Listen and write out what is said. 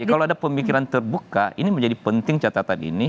jadi kalau ada pemikiran terbuka ini menjadi penting catatan ini